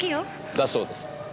だそうです。